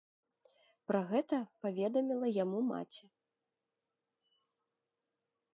Пра гэта паведаміла яму маці.